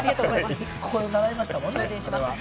ここで習いましたもんね。